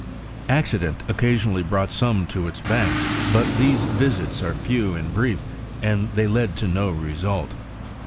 Accident occasionally brought some to its banks, but these visits are few and brief, and they led to no result.